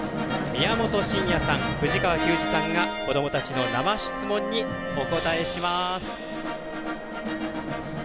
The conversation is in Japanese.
宮本慎也さん、藤川球児さんが子どもたちの生質問にお答えします。